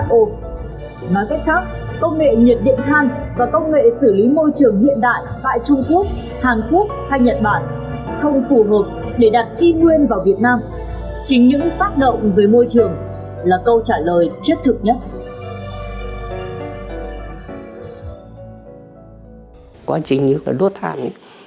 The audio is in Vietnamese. nói cách khác công nghệ nhiệt điện than và công nghệ xử lý môi trường hiện đại tại trung quốc hàn quốc hay nhật bản không phù hợp để đặt y nguyên vào việt nam